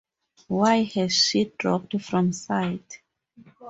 Why has she dropped from sight.